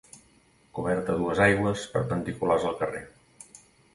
Coberta a dues aigües perpendiculars al carrer.